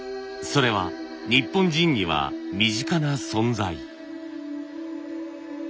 それは日本人には身近な存在。